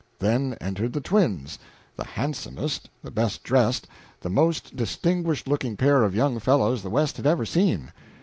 Then entered the twins the handsomest, the best dressed, the most distinguished looking pair of young fellows the West had ever seen.